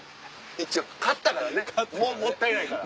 一応買ったからねもったいないから。